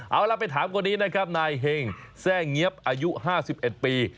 เอาล่ะไปถามคนนี้นะครับนายเห็งแทร่งเงี๊ยบอายุ๕๑ปี